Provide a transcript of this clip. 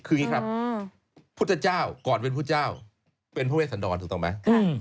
คืออย่างนี้ครับพุทธเจ้าก่อนเป็นพุทธเจ้าเป็นพระเวสันดรถูกต้องไหม